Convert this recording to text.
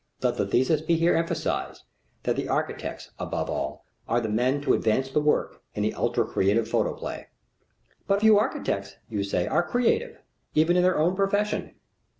Let the thesis be here emphasized that the architects, above all, are the men to advance the work in the ultra creative photoplay. "But few architects," you say, "are creative, even in their own profession."